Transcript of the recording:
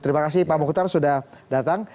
terima kasih pak mukhtar sudah datang